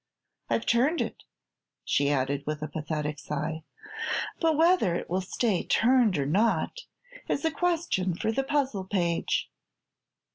I've turned it," she added, with a pathetic sigh; "but whether it'll stay turned, or not, is a question for the puzzle page."